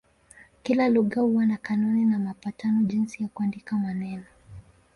Kila lugha huwa na kanuni na mapatano jinsi ya kuandika maneno.